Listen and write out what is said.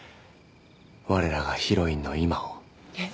我らがヒロインの今をえっ？